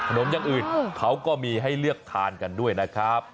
อย่างอื่นเขาก็มีให้เลือกทานกันด้วยนะครับ